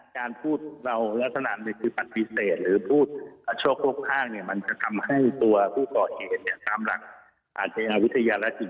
ก็อย่างที่ผมพูดนะครับว่าเขาอยู่ในกระทับที่ที่สมัครภัย